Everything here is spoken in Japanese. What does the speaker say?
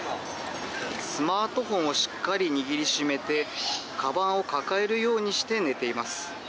スマートフォンをしっかり握り締めてかばんを抱えるようにして寝ています。